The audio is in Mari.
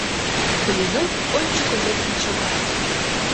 Блинов ончыко лектын шогале.